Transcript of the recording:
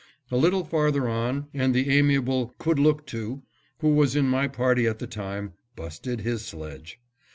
A little farther on, and the amiable Kudlooktoo, who was in my party at the time, busted his sledge.